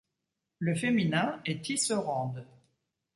Le féminin est tisserande.